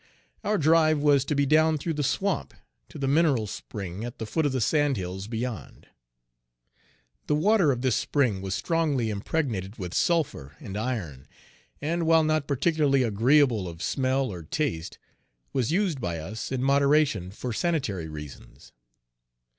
Our drive was to be down through the swamp to the mineral spring at the foot of the sand hills beyond. The water of this Page 68 spring was strongly impregnated with sulphur and iron, and, while not particularly agreeable of smell or taste, was used by us, in moderation, for sanitary reasons.